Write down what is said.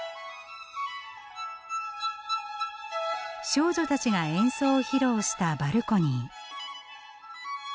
少女たちが演奏を披露したバルコニー。